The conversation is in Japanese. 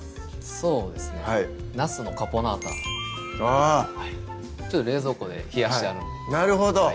そうですね「ナスのカポナータ」あぁ冷蔵庫で冷やしてあるんでなるほど！